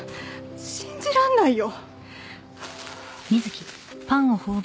信じらんないよ